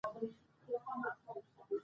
سیلاني ځایونه د افغانستان د شنو سیمو ښکلا ده.